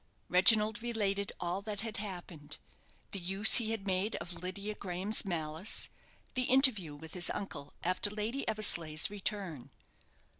Reginald related all that had happened; the use he had made of Lydia Graham's malice; the interview with his uncle after Lady Eversleigh's return.